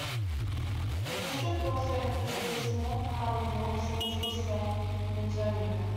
The district also includes a small part of north central San Antonio.